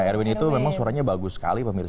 erwin itu memang suaranya bagus sekali pemirsa